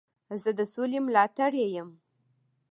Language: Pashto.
زه د سولي ملاتړی یم.